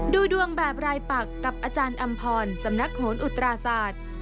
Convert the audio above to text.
ดูดวงแบบรายปักกับอาจารย์อำพรสำนักโหนอุตราศาสตร์